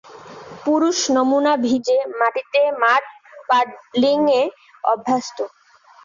পুরুষ নমুনা ভিজে মাটিতে মাড-পাডলিংএ অভ্যস্ত।